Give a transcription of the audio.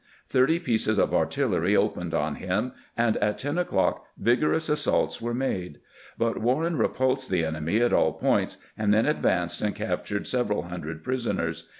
Thirty pieces of artillery opened on him, and at ten o'clock vigorous assaults were made; but Warren re pulsed the enemy at aU points, and then advanced and captured several hundred prisoners.